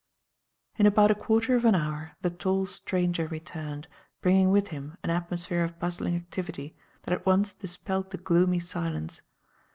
In about a quarter of an hour the tall stranger returned, bringing with him an atmosphere of bustling activity that at once dispelled the gloomy silence.